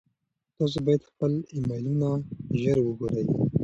تاسو باید خپل ایمیلونه ژر وګورئ.